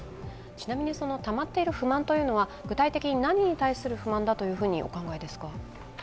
ちなみに、たまっている不満というのは具体的に何に対する不満だとお考えですか？